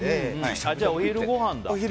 じゃあ、お昼ごはんだ。